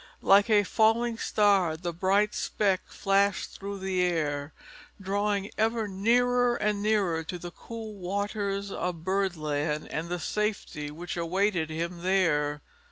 Like a falling star the bright speck flashed through the air, drawing ever nearer and nearer to the cool waters of Birdland and the safety which awaited him there.